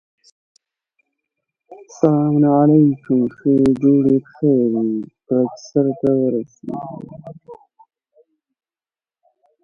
ازادي راډیو د حیوان ساتنه په اړه د فیسبوک تبصرې راټولې کړي.